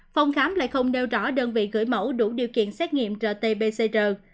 phòng khám lại không đeo rõ đơn vị gửi mẫu đủ điều kiện xét nghiệm rt pcr